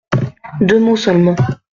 Deux mots seulement.